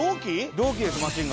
同期ですマシンガンズ。